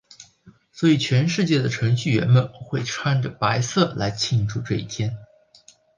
所以全世界的程序员们会穿着白色来庆祝这一天。